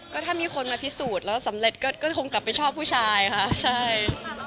ก็ถ้ามีคนมาพิสูจน์แล้วสำเร็จก็คงกลับไปชอบผู้ชายค่ะใช่